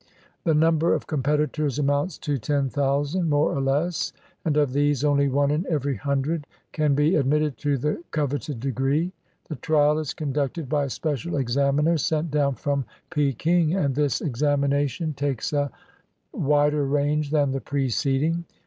The number of competitors amounts to ten thousand, more or less, and of these only one in every himdred can be admitted to the coveted degree. The trial is conducted by special examiners sent down from Peking; and this examination takes a wider range than the preceding.